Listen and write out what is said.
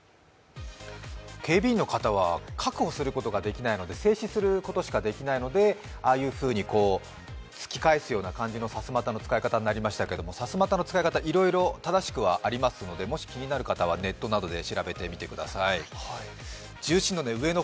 警備員の方は確保することができずに、制止することしかできないので、ああいうふうに突き返すような感じのさすまたの使い方になりましたけれどもさすまたの使い方、いろいろ正しくはありますので、もし気になる方はネットなどで調べてください。